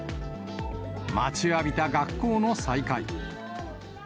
待ちわびた学校の再開。